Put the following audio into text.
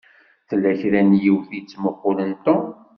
Tella kra n yiwet i yettmuqqulen Tom.